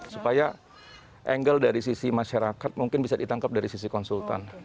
supaya angle dari sisi masyarakat mungkin bisa ditangkap dari sisi konsultan